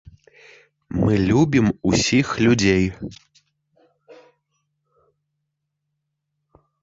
Мы любім усіх людзей.